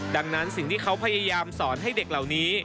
ดังนั้นสิ่งที่เขาพยายามสอนให้เด็กเหล่านี้